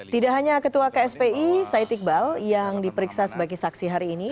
tidak hanya ketua kspi said iqbal yang diperiksa sebagai saksi hari ini